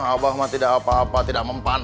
abah tidak apa apa tidak mempan